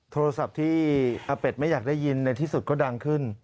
โทรศัพท์ที่อาเป็ดไม่อยากได้ยินในที่สุดก็ดังขึ้น